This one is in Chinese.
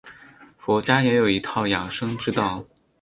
佛家也有一套养生之道。